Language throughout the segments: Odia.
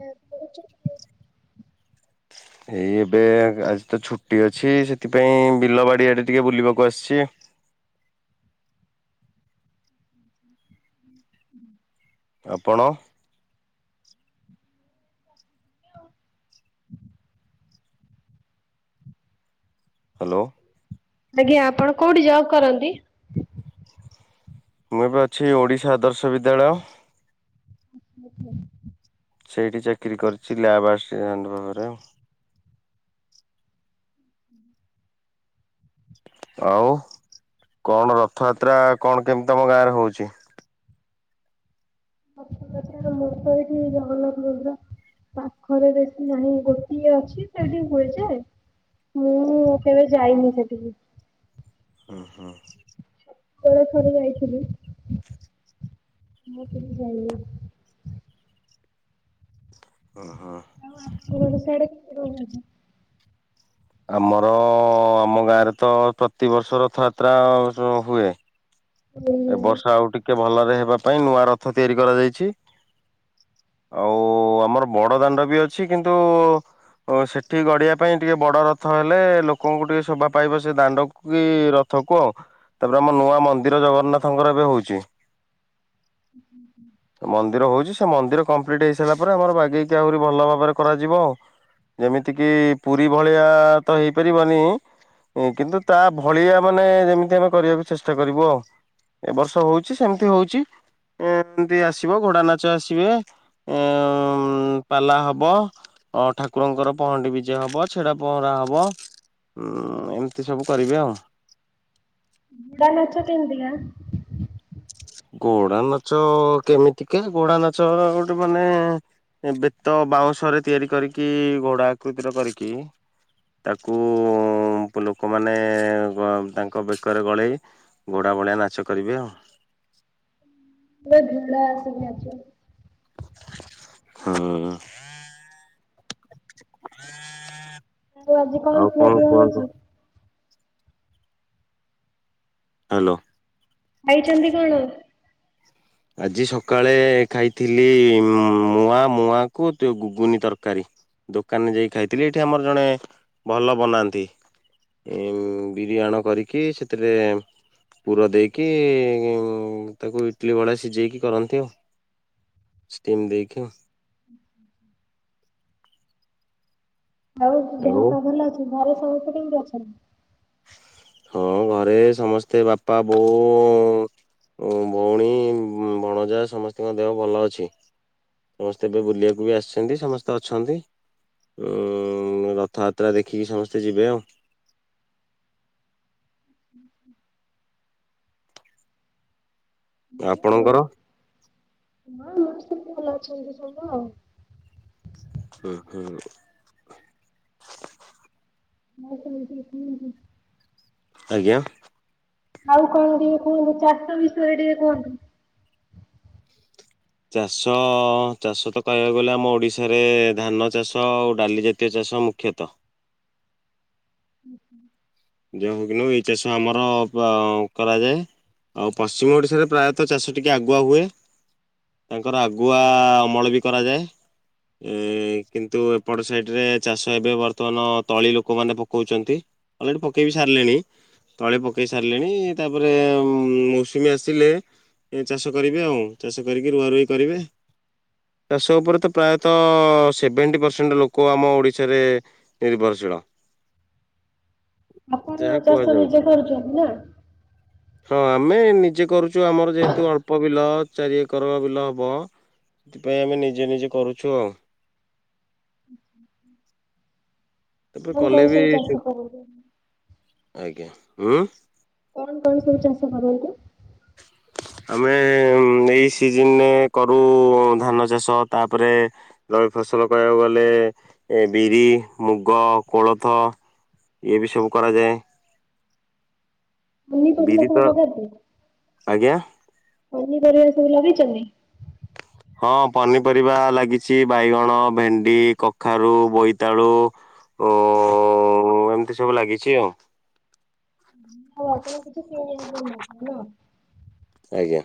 କୁଆଡେ ଯାଉଛ କି? ଏଇ ଏବେ ଆଜି ତ ଛୁଟି ଅଛି ସେଥିପାଇଁ ବିଲବାଡ଼ି ଆଡ଼େ ଟିକେ ବୁଲିବାକୁ ଆସିଛି। ହୁଁ ହୁଁ। ଆପଣ? ହାଲୋ। ଆଜ୍ଞା ଆପଣ କୋଉଠି ଜବ୍ କରନ୍ତି? ମୁଁ ଏବେ ଅଛି ଓଡ଼ିଶା ଆଦର୍ଶ ବିଦ୍ୟାଳୟ। ଆଛା। ସେଇଠି ଚାକିରି କରିଛି ଲ୍ୟାବ୍ ଆସିଟାଣ୍ଟର ଭାବରେ। ଆଉ କଣ ରଥଯାତ୍ରା କଣ କେମିତି ତମ ଗାଁ ରେ ହଉଛି? [inaudible] ସାର୍ ମୁଁ ତ ଏଇଠି ଯୋଉ ଜଗନ୍ନାଥ ମନ୍ଦିର ପାଖରେ ବେଶୀ ନାହିଁ ଗୋଟିଏ ଅଛି ସେଠିକି ବୁଲିଯାଏ। ମୁଁ କେବେ ଯାଇନି ସେଠିକି। ହୁଁ ହୁଁ। ଏବେ ଥରେ ଯାଇଥିଲି ମୁଁ କେବେ ଯାଇନି। ଓ ହୋ। ଆଉ ଆପଣଙ୍କର ସେ ଆଡେ କେତେ ରଥ ହଉଛି? ଆମର ଆମ ଗାଁ ରେ ତ ପ୍ରତିିବର୍ଷ ରଥଯାତ୍ରା ହଁ ହୁଏ। ଏ ବର୍ଷ ଆଉ ଟିକେ ଭଲରେ ହେବା ପାଇଁ ନୂଆ ରଥ ତିଆରି କରାଯାଇଛି। ଆଉ ଆମର ବଡଦାଣ୍ଡ ବି ଅଛି କିନ୍ତୁ ଓ ସେଠି ଗଢିବା ପାଇଁ ଟିକେ ବଡ ରଥ ହେଲେ ଲୋକଙ୍କୁ ଟିକେ ଶୋଭା ପାଇବ ସେ ଦାଣ୍ଡକୁ କି ରଥକୁ ଆଉ ତାପରେ ଆମ ନୂଆ ମନ୍ଦିର ଜଗନ୍ନାଥଙ୍କର ଏବେ ହଉଛି। ହୁଁ ହୁଁ। ମନ୍ଦିର ହଉଛି ସେ ମନ୍ଦିର କମ୍ପ୍ଲିଟ୍ ହେଇ ସାରିଲା ପରେ ଆମର ବାଗେଇକି ଆହୁରି ଭଲ ଭାବରେ କରାଯିବ ଆଉ। ଯେମିତି କିି ପୁରୀ ଭଳିଆ ତ ହେଇପାରିବନି ଉଁ କିନ୍ତୁ ତା ଭଳିଆ ମାନେ ଯେମିତି ଆମେ କରିଆକୁ ଚେଷ୍ଟା କରିବୁ ଆଉ। ଏ ବର୍ଷ ହଉଛି ସେମତି ହଉଛି ଏଁ ଏନ୍ତି ଆସିବ ଘୋଡାନାଚ ଆସିବେ ଏଁ ଉଁ ପାଲା ହବ। ଅଁ ଠାକୁରଙ୍କର ପହଣ୍ଡି ବିଜେ ହବ ଛେରା ପହଁରା ହବ ଉଁ ଏମତି ସବୁ କରିବେ ଆଉ। ଘୋଡାନାଚ କେନ୍ତିଆ? ଘୋଡ଼ା ନାଚ କେମିତିକା ଘୋଡା ନାଚ ଗୋଟେ ମାନେ ଏ ବେତ ବାଉଁଶରେ ତିଆରି କରିକି ଘୋଡ଼ା ଆକୃତିର କରିକି ତାକୁ ଲୋକମାନେ ତାଙ୍କ ବେକରେ ଗଳେଇ ଘୋଡା ଭଳିଆ ନାଚ କରିବେ ଆଉ। ପୁରା ଘୋଡା ଆସିକି ନାଚନ୍ତି? ହୁଁ। ଆଉ ଆଜି କଣ ଆଉ ଖିଆପିଆ କୁହନ୍ତୁ ହେଇଛି? ହାଲୋ। ଖାଇଛନ୍ତି କଣ? ଆଜି ସକାଳେ ଖାଇଥିଲି ମୁଁ ମୁଆଁ ମୁଆଁକୁ ଗୁଗୁନି ତରକାରୀ। ଦୋକାନରେ ଯାଇକି ଖାଇଥିଲି ଏଇଠି ଆମର ଜଣେ ଭଲ ବନାନ୍ତି। ବିରି ଆଣ କରିକି ସେଥିରେ ପୁର ଦେଇକି ତାକୁ ଇଟଲି ଭଳିଆ ସିଜେଇକି କରନ୍ତି ଆଉ ଷ୍ଟିମ୍ ଦେଇକି। ଆଉ ଦେହ ପାଅ ଭଲ ଅଛି ଘରେ ସମସ୍ତେ କେମିତି ଅଛନ୍ତି? ହଁ ଘରେ ସମସ୍ତେ ବାପା, ବୋଉ ବଉଣୀ ଭଣଜା ସମସ୍ତଙ୍କ ଦେହ ଭଲ ଅଛି। ସମସ୍ତେ ଏବେ ବୁଲିଆକୁ ବି ଆସିଛନ୍ତି ସମସ୍ତେ ଅଛନ୍ତି। ଉଁ ରଥଯାତ୍ରା ଦେଖିକି ସମସ୍ତେ ଯିବେ ଆଉ। [inaudible] ହଁ ଆପଣଙ୍କର? ଆଉ ସମସ୍ତେ ଭଲ ଅଛନ୍ତି ସବୁ ଆଉ। ହୁଁ ହୁଁ। [unintelligible] ଆଜ୍ଞା? ଆଉ କଣ ଟିକେ କୁହନ୍ତୁ ଚାଷ ବିଷୟରେ ଟିକେ କୁହନ୍ତୁ। ଚାଷ ଚାଷ ତ କହିବାକୁ ଗଲେ ଆମ ଓଡିଶାରେ ଧାନ ଚାଷ ଆଉ ଡାଲି ଜା ତ ଚାଷ ମୁଖ୍ୟତଃ। ଉ ହୁ। ଯୋଉ ହଉ କି ନୁ ଏଇ ଚାଷ ଆମର କରାଯାଏ। ଆଉ ପଶ୍ଚିମ ଓଡ଼ିଶାରେ ପ୍ରାୟତଃ ଚାଷ ଟିକେ ଆଗୁଆ ହୁଏ। ତାଙ୍କର ଆଗୁଆ ଅମଳ ବି କରାଯାଏ। ଏ କିନ୍ତୁ ଏପଟ ସାଇଟରେ ଚାଷ ଏବେ ବର୍ତ୍ତମାନ ତଳି ଲୋକମାନେ ପକଉଚନ୍ତି। ଅଲରେଡ଼ି ପକେଇ ବିି ସାରିଲେଣି। ତଳେ ପକାଇ ସାରିଲେଣି ତାପରେ ମୌସୁମୀ ଆସିଲେ ଏ ଚାଷ କରିବେ ଆଉ ଚାଷ କରିକି ରୁଆ ରୋଇ କରିବେ। ଚାଷ ଉପରେ ତ ପ୍ରାୟତଃ ସେଭେଣ୍ଟି ପରସେଣ୍ଟ ଲୋକ ଆମ ଓଡ଼ିଶାରେ ନିର୍ଭରଶୀଳ। ଆପଣ ଯାହା ଚାଷ କୁହାଯାଉଛି ନିଜେ କରୁଚନ୍ତି ତ? ହଁ ଆମେ ନିଜେ କରୁଚୁ। ଆମର ଯେହେତୁ ଅଳ୍ପ ବିଲ ଚାରି ଏକରର ବିଲ ହବ। ସେଥିପାଇଁ ଆମେ ନିଜେ ନିଜେ କରୁଚୁ ଆଉ। ତାପରେ କଲେ ବି ସେ ଓ ହ। ଆଜ୍ଞା ହୁଁ। କଣ କଣ ସବୁ ଚାଷ କରନ୍ତି। [inaudible] ଆମେ ଏଇ ସିଜନରେ କରୁ ଧାନ ଚାଷ ତାପରେ ଜଳ ଫସଲ କହିବାକୁ ଗଲେ ଏ ବିରି ମୁଗ କୋଳଥ। ଇଏ ବି ସବୁ କରାଯାଏ। ପନିପରିବା ବିରି ସବୁ ତ ଲଗାନ୍ତି ଆଜ୍ଞା। ପନିପରିବା ସବୁ ଲଗେଇଚନ୍ତି? ହଁ ପନିପରିବା ଲାଗିଚି ବାଇଗଣ ଭେଣ୍ଡି କଖାରୁ ବୋଇତାଳୁ। ଉଁ ଏମିତି ସବୁ ଲାଗିଚି ଆଉ। ହ ଆପଣଙ୍କୁ କିଛି କିଣିବାକୁ ପଡୁନଥିବ ନା? ଆଜ୍ଞା।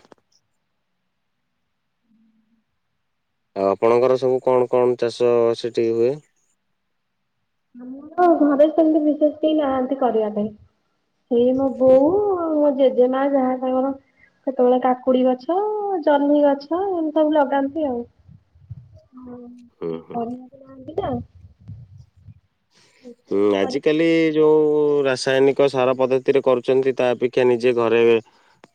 ଆଉ ଆପଣଙ୍କର ସବୁ କଣ କଣ ଚାଷ ସେଠି ହୁଏ? ଆମର ଘରେ ସେମିତି ବିଶେଷ କେହୀ ନାହାନ୍ତି କରିବା ପାଇଁ ସେଇ ମୋ ହୁଁ ବୋଉ ଆଉ ମୋ ଜେଜେ ମା ଯାହା ତାଙ୍କର କେତେବେଳେ କାକୁଡି ଗଛ ଜହ୍ନି ଗଛ ଏମିତି ସବୁ ଲଗାନ୍ତି ଆଉ। [inaudible] ହଉ ହୁଁ କେହି କରନାନ୍ତି [inaudible] [unintelligible] ଉଁ କରିପାରୁନି। ଆଜିକାଲି ଯୋଉ ରାସାୟନିକ ସାର ପଦ୍ଧତିରେ କରୁଛନ୍ତି ତା ଅପେକ୍ଷା ନିଜେ ଘରେ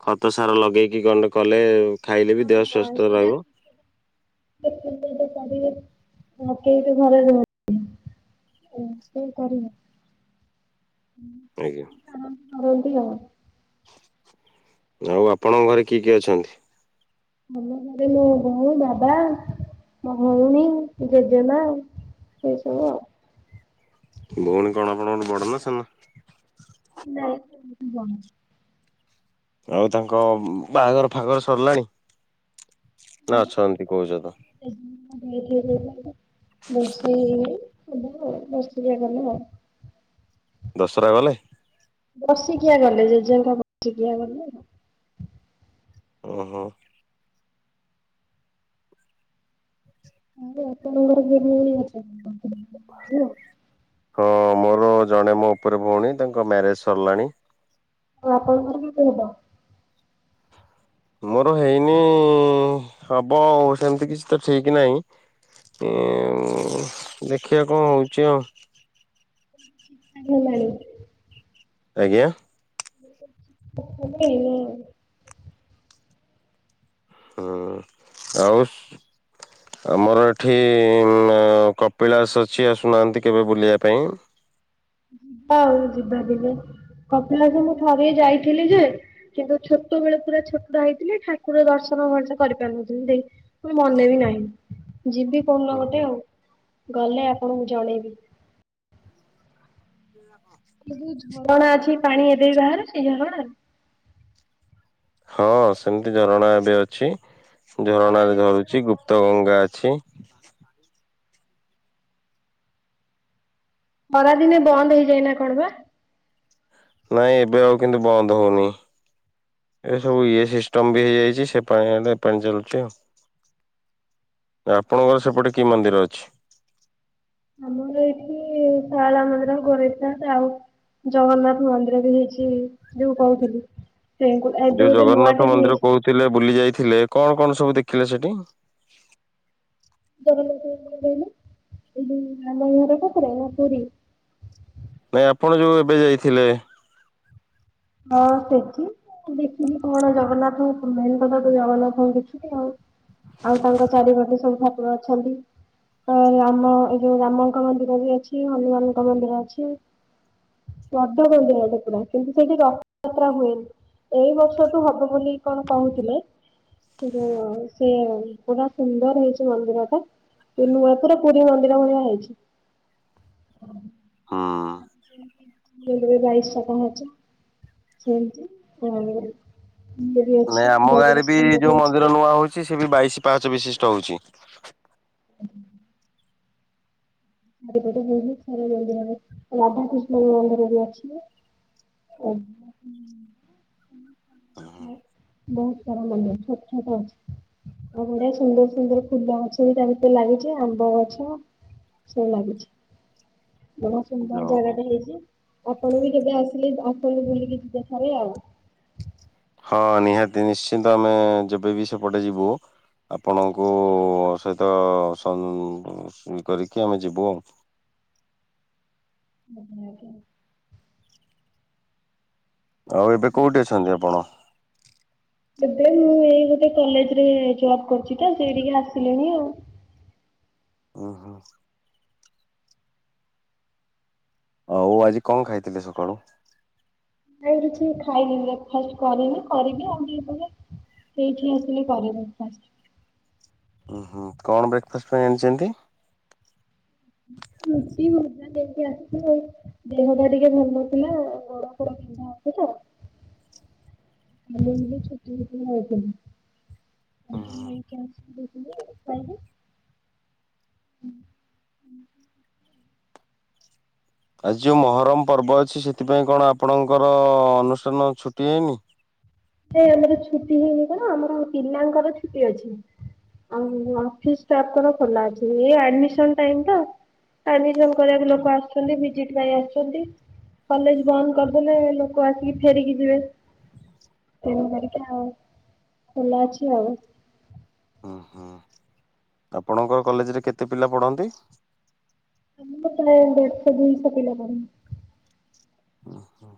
ଖତ ସାର ଲଗେଇକି ଗଣ୍ଡେ କଲେ ଖାଇଲେ ହଁ ବି ଦେହ ହଁ ସୁସ୍ଥ ସେଇଟା ରହିବ। [inaudible] ଘରେ ରୁହନ୍ତି। ଓ ସେଇ କରିବି। ହୁଁ ଆଜ୍ଞା ଆନନ୍ଦ କରନ୍ତି ଆଉ। ଆଉ ଆପଣଙ୍କ ଘରେ କିଏ କିଏ ଅଛନ୍ତି। ମୋ ଘରେ ମୋ ବୋଉ, ବାବା, ମୋ ଭଉଣୀ ଜେଜେମା [inaudible] ଭଉଣୀ କଣ ଆପଣଙ୍କଠୁ ବଡ଼ ନା ସାନ। ନାଇ ସେମିତି ଜଣେ ଆଉ ତାଙ୍କ ବାହାଘର ଫାଘର ସରିଲାଣି। ନା ନାଇଁ ଅଛନ୍ତି କହୁଛ ତ [inaudible] ଦଶରା ଗଲେ ବସିକିଆ ଗଲେ ଜେଜେଙ୍କ ବସିକିଆ ଗଲେ ଆଉ। ଓହୋ ତମ ଘରେ କିଏ କିଏ ଅଛନ୍ତି। [inaudible] ହଁ ମୋର ଜଣେ ମୋ ଉପରେ ଭଉଣୀ ତାଙ୍କ ମ୍ୟାରେଜ ସରିଲାଣି। ହଁ ଆପଣଙ୍କର ବି କେଉଟ। ମୋର ହେଇନି ହବ ଆଉ ସେମିତି କିଛି ତ ଠିକ ନାହିଁ। ଉଁ ଦେଖିବା କଣ ହଉଛି ଆଉ। Arrange marriage. ଆଜ୍ଞା [unintelligible] ହଁ ଆଉ ଆମର ଏଠି କପିଳାସ ଅଛି ଆସୁନାହାନ୍ତି କେବେ ବୁଲିବା ପାଇଁ। ଯିବା ଆଉ ଯିବା କେବେ କପିଲାସ ମୁଁ ଥରେ ଯାଇଥିଲି ଯେ କିନ୍ତୁ ଛୋଟ ବେଳେ ପୁରା ଛୋଟ ଟା ହେଇଥିଲି ଠାକୁର ଦର୍ଶନ ଭଲ ସେ କରିପାରୁନଥିଲି। ଫୁଣି ମନେ ବିି ନାହିଁ। ଯିବି କୋଉଦିନ ଓହୋ। ଗୋଟେ ଆଉ। ଗଲେ ଆପଣଙ୍କୁ ଜଣେଇବି। [inaudible] ଯୋଉ ଝରଣା ଅଛି ପାଣି ଏବେ ବି ବାହାରୁ ସେଇ ଝରଣା ରୁ। ହଁ ସେମିତି ଝରଣା ଏବେ ଅଛି ଝରଣା ଖରା ରୁ ଦିନେ କଣ ଝରୁଛି ବନ୍ଦ ଗୁପ୍ତ ହେଇଯାଇଛି ଗଙ୍ଗା ଅଛି। ଖରାଦିନେ ବନ୍ଦ ହେଇଯାଏନା କଣ ବା ନାଇଁ ଏବେ ଆଉ କିନ୍ତୁ ବନ୍ଦ ହଉନି। ଏ ସବୁ ଇଏ ସିଷ୍ଟମ ବି ହେଇଯାଇଛି ସେ ପାଣି ଆ ଏ ପାଣି ଚାଲୁଛି ଆଉ। ଆପଣଙ୍କର ସେପଟେ କି ମନ୍ଦିର ଅଛି। ଆମର ଏଇଠି ଶଳ ମନ୍ଦିର ଗୋରକ୍ଷ ନାଥ ଆଉ। ଜଗନ୍ନାଥ ମନ୍ଦିର ବି ହେଇଛି ଯୋଉ କହୁଥିଲି ସେ ଏବେ ଗୋଟେ ନୂଆଟେ ବି ହେଇ ଥିଲେ ବୁଲି ଯାଇଥିଲେ କଣ କଣ ସବୁ ଦେଖିଲେ ସେଠି? ଜଗନ୍ନାଥ ମନ୍ଦିର କହିଲି ଏଯୁ ଆମ ଘର ପାଖରେ ନା ପୁରୀ ନା ଆପଣ ଯୋଉ ଏବେ ଯାଇଥିଲେ। ହଁ ସେଠି ତୁ ଦେଖିବି କଣ ଜଗନ୍ନାଥଙ୍କୁ ମେନ୍ କଥା ତ ଜଗନ୍ନାଥଙ୍କୁ ଦେଖିବି ଆଉ ଆଉ ତାଙ୍କ ଚାରି ପାଖେ ସବୁ ଠାକୁର ଅଛନ୍ତି। ତ ରାମ ଏ ଯୋଉ ରାମଙ୍କ ମନ୍ଦିର ବି ଅଛି, ହନୁମାନଙ୍କ ମନ୍ଦିର ଅଛି। [inaudible] ମନ୍ଦିର ଟେ ପୁରା କିନ୍ତୁ। ସେଇଠି ରଥଯାତ୍ରା ହୁଏନି ଏଇ ବର୍ଷ ଠୁ ହବ ବୋଲି କଣ କହୁଥିଲେ। କିନ୍ତୁ ସେ ପୁରା ସୁନ୍ଦର ହେଇଛି ମନ୍ଦିର ଟା [unintelligible] ପୁରୀ ମନ୍ଦିର ଭଳିଆ ହେଇଛି। ହୁଁ। ମୁଣ୍ଡରେ ବାଇସଟା ପାହାଚ। ସେମିତି ହଁ। ନାଇଁ ଆମ ଗାଁ ରେ ବି ଯୋଉ ମନ୍ଦିର ନୂଆ ହଉଛି ସେ ବି ବାଇଶି ପାହଚ ବିଶିଷ୍ଟ ହଉଛି। [unintelligible] ଚାରିପଟ ହେ ଥରେ ଜି ହ ରାଧାକୃଷ୍ଣଙ୍କ ମନ୍ଦିର ବି ଅଛି। [unintelligible] ଉଁ ହୁଁ। ବହୁତ ସାରା ମନ୍ଦିର ଛୋଟ ଛୋଟ ଅଛି। ଆଉ ବଢିଆ ସୁନ୍ଦର ସୁନ୍ଦର ଫୁଲ ଗଛ ବି ତା ଭିତରେ ଲାଗିଛି ଆମ୍ବ ଗଛ। ସବୁ ଲାଗିଛି ବଢିଆ ସୁନ୍ଦର ଯାଉ ଜାଗା ହଉ ଟା ହେଇଛି। ଆପଣ ବି କେବେ ଆସିଲେ ଆପଣ ବୁଲିକି ଯିବେ ଥରେ ଆଉ। ହଁ ନିହାତି ନିଶ୍ଚିନ୍ତ ଆମେ ଯେବେ ବି ସେପଟେ ଯିବୁ ଆପଣଙ୍କୁ ସହିତ ସ୍ ଇ କରିକି ଆମେ ଯିବୁ ଆଉ। ଆଜ୍ଞା, ଆଜ୍ଞା। ଆଉ ଏବେ କୋଉଠି ଅଛନ୍ତି ଆପଣ? ଏବେ ମୁଁ ଏଇ ଗୋଟେ କଲେଜରେ ଜବ୍ କରୁଛି ତ ସେଇଠିକେ ଆସିଲିଣି ଆଉ। ଓହୋ। ଆଉ ଆଜି କଣ ଖାଇଥିଲେ ସକାଳୁ? ଏବେ ଆଉ କିଛି ମୁଁ ଖାଇଲିନି ବ୍ରେକଫାଷ୍ଟ କରିନି କରିବି ଆଉ ଟିକେ ପରେ। ସେଇଠି ଆସିଲି କରେ ବ୍ରେକଫାଷ୍ଟ। ଉଁ ହୁଁ କଣ ବ୍ରେକଫାଷ୍ଟ ପାଇଁ ଆଣିଛନ୍ତି? ରୁଟି, ଭଜା ଏମତି ଆଣିଛି ଆଉ। ଦେହଟା ଟିକେ ଭଲ ନଥିଲା ଗୋଡ ଫୋଡ ବିନ୍ଧା ହଉଚି ତ। [unintelligible] ହଁ। [inaudible] ହଁ। ଆଜି ଯୋଉ ମହରମ ପର୍ବ ଅଛି ସେଥିପାଇଁ କଣ ଆପଣଙ୍କର ଅନୁଷ୍ଠାନ ଛୁଟି ହେଇନି? ଏ ଆମର ଛୁଟି ହେଇନି କଣ ଆମର ପିଲାଙ୍କର ଛୁଟି ଅଛି। ଆଉ ଅଫିସ୍ ଷ୍ଟାଫଙ୍କର ଖୋଲା ଅଛି, ନ୍ୟୁ ଆଡମିଶନ୍ ଟାଇମ ତ। ଆଡମିଶନ୍ କରିବାକୁ ଲୋକ ଆସଛନ୍ତି ଭିଜିଟ ପାଇଁ ଆସଛନ୍ତି। କଲେଜ ବନ୍ଦ କରିଦେଲେ ଲୋକ ଆସିକି ଫେରିକି ଯିବେ। ତେଣୁ କରିକି ଆଉ ଖୋଲା ଅଛି ଆଉ। ହୁଁ ହୁଁ ଆପଣଙ୍କ କଲେଜରେ କେତେ ପିଲା ପଢନ୍ତି? [inaudible] ଦେଢ଼ଶହ ଦୁଇଶହ ପିଲା ପଢ଼ନ୍ତି। ଓ ହୋ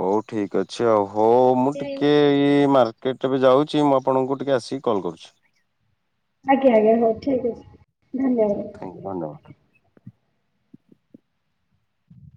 ହଉ ଠିକ ଅଛି ଆଉ, ହଉ ମୁଁ ଟିକେ ଏଇ ମାର୍କେଟ ଏବେ ଯାଉଛି ମୁଁ ଆପଣଙ୍କୁ ଟିକେ ଆସିକି କଲ୍ କରୁଛି। ଆଜ୍ଞା, ଆଜ୍ଞା ହଉ ଠିକ ଅଛି ଧନ୍ୟବାଦ। ଆଜ୍ଞା ଧନ୍ୟବାଦ।